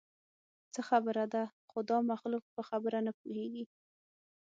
څه خبره ده؟ خو دا مخلوق په خبره نه پوهېږي.